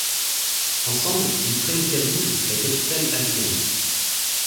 Ensemble, ils prennent Kaboul, la capitale afghane.